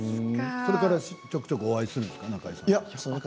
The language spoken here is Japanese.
それからちょくちょくお会いするんですか？